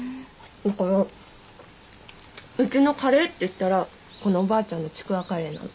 だからうちのカレーっていったらこのおばあちゃんのちくわカレーなの。